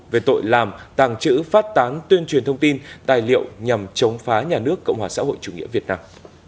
về tội làm tàng trữ phát tán tuyên truyền thông tin tài liệu nhằm chống phá nhà nước cộng hòa xã hội chủ nghĩa việt nam